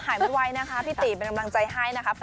หายไม่ไหวนะคะพี่ตีเป็นกำลังใจให้นะคะ